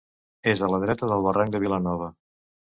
És a la dreta del barranc de Vilanova.